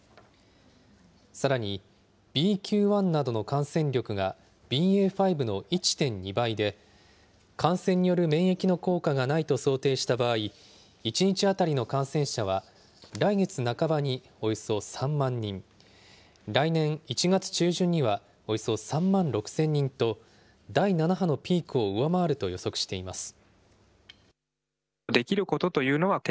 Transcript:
さらに、ＢＱ．１などの感染力がＢＡ．５の１．２倍で、感染による免疫の効果がないと想定した場合、１日当たりの感染者は、来月半ばにおよそ３万人、来年１月中旬にはおよそ３万６０００人と、第７波のピークを上回ると予測しています。